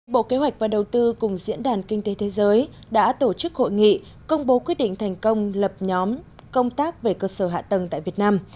bộ kế hoạch và đầu tư cùng diễn đàn kinh tế thế giới đã tổ chức hội nghị công bố quyết định thành công lập nhóm công tác về cơ sở hạ tầng tại việt nam